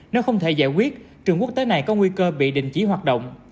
nếu không thể giải quyết trường quốc tế này có nguy cơ bị đình chỉ hoạt động